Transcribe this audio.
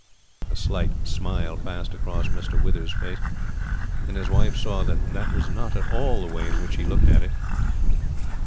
A slight smile passed across Mr. Withers' face, and his wife saw that that was not at all the way in which he looked at it.